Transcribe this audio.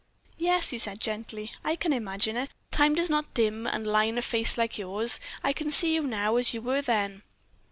"Yes," he said, gently, "I can imagine it. Time does not dim and line a face like yours. I can see you now as you were then."